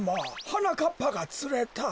はなかっぱがつれた。